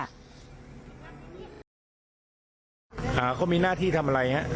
อ่าเขามีหน้าที่ทำอะไรฮะ